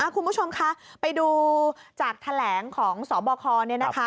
คุณผู้ชมคะไปดูจากแถลงของสบคเนี่ยนะคะ